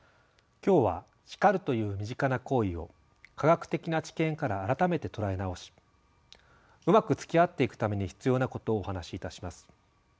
今日は「叱る」という身近な行為を科学的な知見から改めて捉え直しうまくつきあっていくために必要なことをお話しいたします。